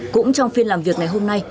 cũng trong phiên làm việc ngày hôm nay